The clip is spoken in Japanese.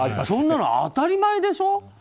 そんなの当たり前でしょ。